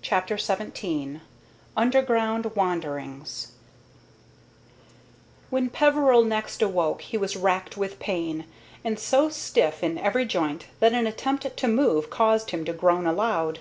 CHAPTER XVII UNDERGROUND WANDERINGS When Peveril next awoke he was racked with pain, and so stiff in every joint that an attempt to move caused him to groan aloud.